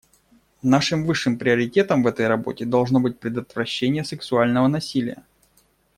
Нашим высшим приоритетом в этой работе должно быть предотвращение сексуального насилия.